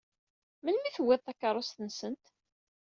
Melmi i tewwiḍ takeṛṛust-nsent?